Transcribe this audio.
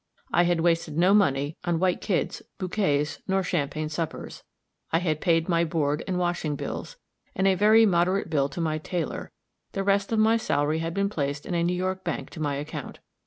I had wasted no money on white kids, bouquets, nor champagne suppers; I had paid my board and washing bills, and a very moderate bill to my tailor; the rest of my salary had been placed in a New York bank to my account.